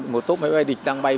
một tốp máy bay địch đang bay